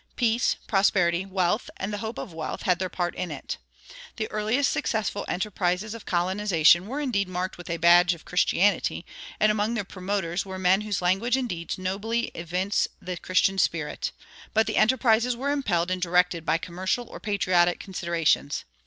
Peace, prosperity, wealth, and the hope of wealth had their part in it. The earliest successful enterprises of colonization were indeed marked with the badge of Christianity, and among their promoters were men whose language and deeds nobly evince the Christian spirit; but the enterprises were impelled and directed by commercial or patriotic considerations.